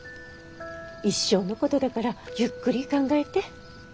一生のことだからゆっくり考えて。